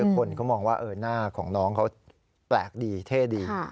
คนเขามองว่าหน้าของน้องเขาแปลกดีเท่ดี